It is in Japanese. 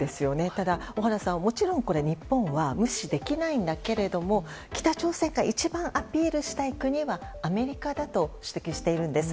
ただ、小原さんはもちろん日本も無視できないんだけども北朝鮮が一番アピールしたい国はアメリカだと指摘しているんです。